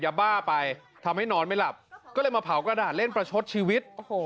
ยาบ้าไปทำให้นอนไม่หลับก็เลยมาเผากระดาษเล่นประชดชีวิตโอ้โห